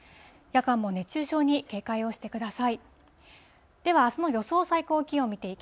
夜間も熱中症に警戒をしてください。